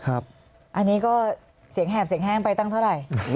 อันนี้ก็เสียงแหบเสียงแห้งไปตั้งเท่าไหร่